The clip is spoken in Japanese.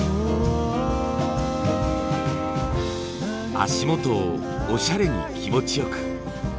足元をおしゃれに気持ち良く。